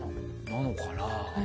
なのかな？